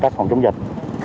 tác phòng chống dịch